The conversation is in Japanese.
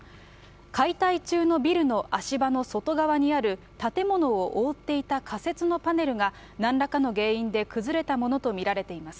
解体中のビルの足場の外側にある建物を覆っていた仮設のパネルが、なんらかの原因で崩れたものと見られています。